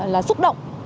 là xúc động